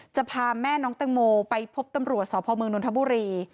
จะพาแม่น้องตังโมไปพบตำรวจสพเมืองนทบุรี